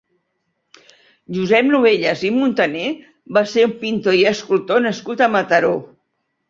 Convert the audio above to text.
Josep Novellas i Montaner va ser un pintor i escultor nascut a Mataró.